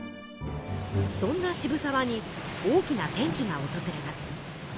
そんな渋沢に大きな転機が訪れます。